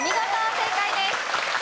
正解です。